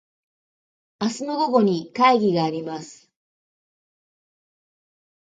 明日の午後に会議があります。